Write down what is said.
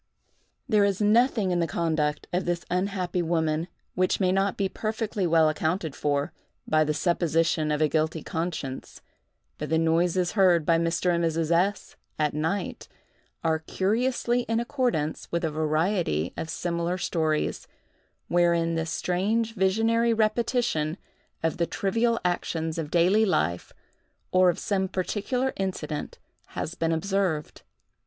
There is nothing in the conduct of this unhappy woman which may not be perfectly well accounted for, by the supposition of a guilty conscience; but the noises heard by Mr. and Mrs. S—— at night, are curiously in accordance with a variety of similar stories, wherein this strange visionary repetition of the trivial actions of daily life, or of some particular incident, has been observed.